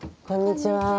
こんにちは。